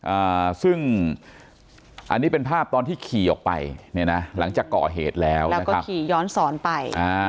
อ่าซึ่งอันนี้เป็นภาพตอนที่ขี่ออกไปเนี่ยนะหลังจากก่อเหตุแล้วแล้วก็ขี่ย้อนสอนไปอ่า